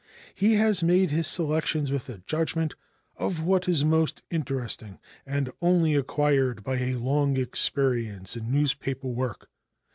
He has made his selections with a judgment of what is most interesting and only acquired by a long experience in newspaper work.